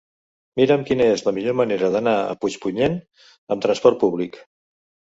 Mira'm quina és la millor manera d'anar a Puigpunyent amb transport públic.